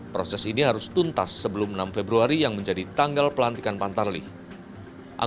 proses ini harus tuntas sebelum enam februari yang menjadi tanggal pelantikan pantarlih